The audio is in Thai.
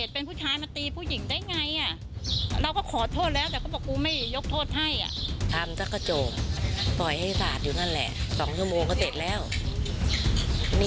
โปรดติดตามตอนต่อไป